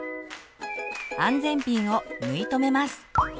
安全ピンを縫いとめます。